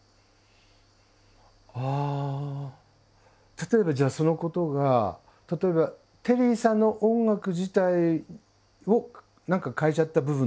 例えばじゃあそのことが例えばテリーさんの音楽自体を何か変えちゃった部分ってありますか？